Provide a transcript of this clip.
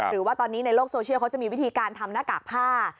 หรือว่าตอนนี้ในโลกโซเชียลเขาจะมีวิธีการทำหน้ากากผ้า